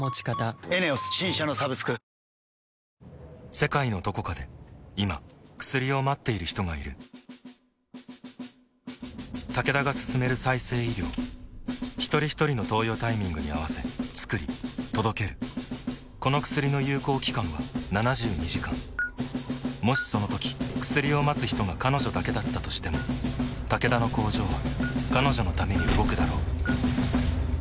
世界のどこかで今薬を待っている人がいるタケダが進める再生医療ひとりひとりの投与タイミングに合わせつくり届けるこの薬の有効期間は７２時間もしそのとき薬を待つ人が彼女だけだったとしてもタケダの工場は彼女のために動くだろう